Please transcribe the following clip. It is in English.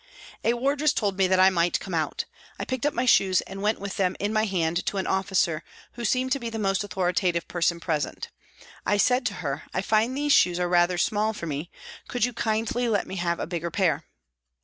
A wardress told me I might come out. I picked up my shoes and went with them in my hand to an " officer " who seemed to be the most authoritative person present. I said to her, " I find these shoes are rather small for me. Could you kindly let me have a bigger pair